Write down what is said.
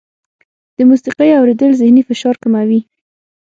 د موسیقۍ اورېدل ذهني فشار کموي.